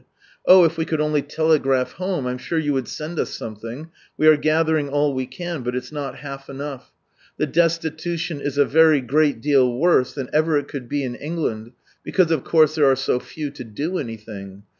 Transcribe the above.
Oh 1 if we could only telegraph home, I'm sure you would send us something. We are gather ing all we can, but it's not half enough. The destitution is a very great deal worse ihan ever it could be in England, because of course there are so few to do anything.